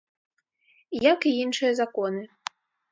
Як і іншыя законы.